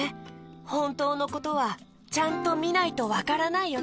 ほんとうのことはちゃんとみないとわからないよね。